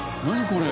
これ。